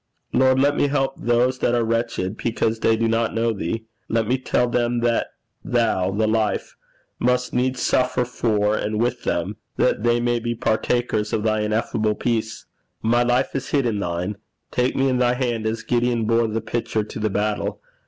Lord, let me help those that are wretched because they do not know thee. Let me tell them that thou, the Life, must needs suffer for and with them, that they may be partakers of thy ineffable peace. My life is hid in thine: take me in thy hand as Gideon bore the pitcher to the battle.